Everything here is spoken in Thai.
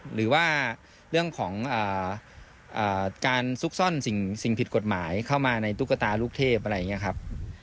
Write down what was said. หรือว่าเรื่องของการซุกซ่อนสิ่งผิดกฎหมายเข้ามาในตุ๊กตาลูกเทพอะไรอย่างนี้ครับ